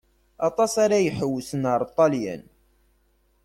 Aṭas ara iḥewsen ar Ṭelyan.